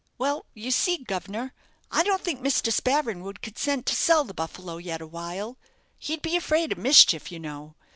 "Well, you see, guv'nor, I don't think Mr. Spavin would consent to sell the 'Buffalo' yet awhile. He'd be afraid of mischief, you know.